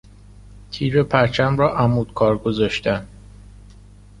تیر پرچم را عمود کار گذاشتن